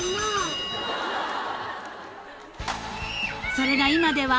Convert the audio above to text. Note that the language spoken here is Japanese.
［それが今では］